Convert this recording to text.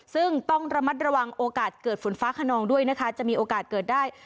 ซึ่งต้องระมัดระวังโอกาสเกิดฝนฟ้าขนองด้วยนะคะจะมีโอกาสเกิดได้